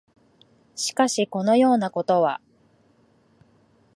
しかし、このようなことは、